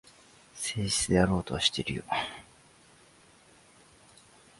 誠実であろうとはしてるよ。